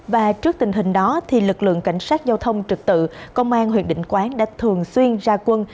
và trước tình hình đó lực lượng cảnh sát giao thông trực tự công an huyện định quán đã thường xuyên ra quân